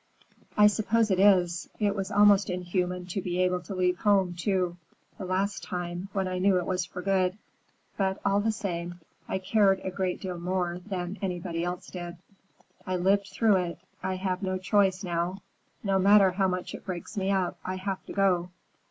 "I suppose it is. It was almost inhuman to be able to leave home, too,—the last time, when I knew it was for good. But all the same, I cared a great deal more than anybody else did. I lived through it. I have no choice now. No matter how much it breaks me up, I have to go.